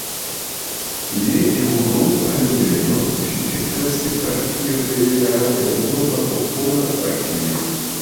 Je eŭropa nivelo, ĝi estas partio de la Eŭropa Popola Partio.